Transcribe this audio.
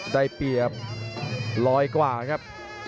ได้เปรียบร้อยกว่าครับ